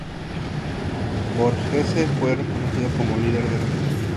Borghese fue reconocido como líder de la unidad.